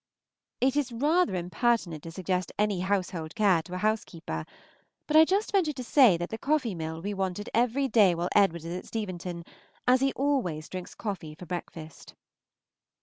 It is rather impertinent to suggest any household care to a housekeeper, but I just venture to say that the coffee mill will be wanted every day while Edward is at Steventon, as he always drinks coffee for breakfast.